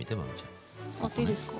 触っていいですか？